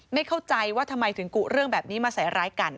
ไม่เข้าใจว่าทำไมถึงกุเรื่องแบบนี้มาใส่ร้ายกัน